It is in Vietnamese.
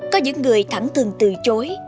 có những người thẳng thừng từ chối